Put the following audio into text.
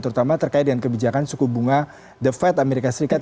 terutama terkait dengan kebijakan suku bunga the fed amerika serikat